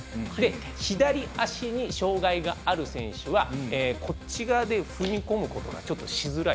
左足に障がいがある選手はこっち側で踏み込むことがしずらい。